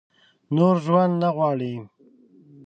نور ژوند نه غواړي ؟